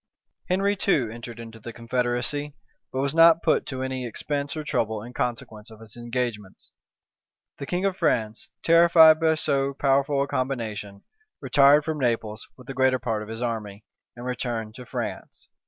Henry too entered into the confederacy; but was not put to any expense or trouble in consequence of his engagements. The king of France, terrified by so powerful a combination, retired from Naples with the greater part of his army, and returned to France.